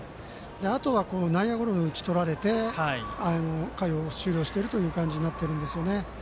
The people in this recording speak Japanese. あとは、内野ゴロに打ち取られて回を終了しているという感じになってるんですよね。